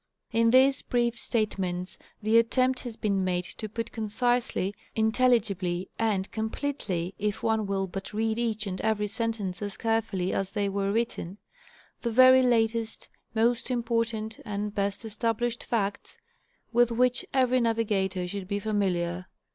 In these brief statements the attempt has been made to put concisely, intelligibly, and completely (if one will but read each and every sentence as carefully as they were written), the very latest, most important, and best estab lished facts, with which every navigator should be familiar.